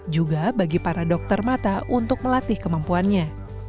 juga bagi para dokter mata untuk melatih kemampuannya